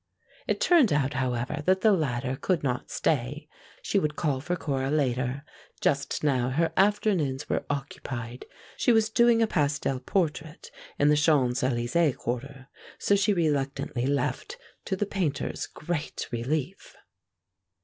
It turned out, however, that the latter could not stay. She would call for Cora later; just now her afternoons were occupied. She was doing a pastel portrait in the Champs Elysées quarter, so she reluctantly left, to the Painter's great relief.